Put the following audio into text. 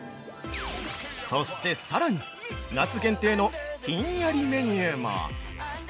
◆そしてさらに夏限定のひんやりメニューも！